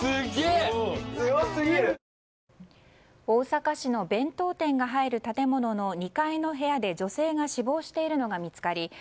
大阪市の弁当店が入る建物の２階の部屋で女性が死亡しているのが見つかり